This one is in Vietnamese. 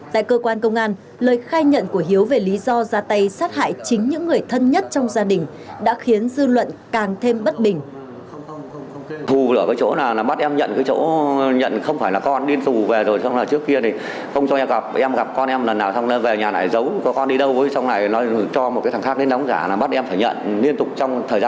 tại cơ quan công an lời khai nhận của hiếu về lý do ra tay sát hại chính những người thân nhất trong gia đình đã khiến dư luận càng thêm bất bình